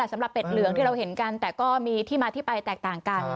เป็ดเหลืองที่เราเห็นกันแต่ก็มีที่มาที่ไปแตกต่างกัน